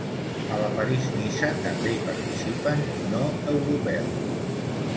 A la París-Niça també hi participen no europeus.